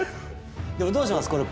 でもどうします？